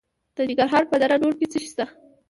د ننګرهار په دره نور کې څه شی شته؟